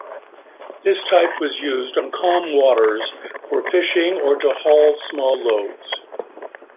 This type was used on calm waters for fishing or to haul small loads.